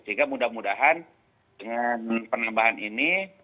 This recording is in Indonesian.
sehingga mudah mudahan dengan penambahan ini